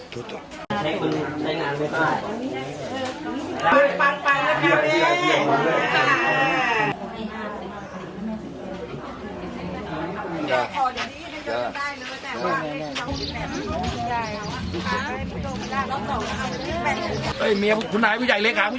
ลูกคิดจริงก็แหละลูกคิดจริงแล้วก็จะกินเกลียดข้วย